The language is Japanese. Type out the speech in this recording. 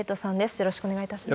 よろしくお願いします。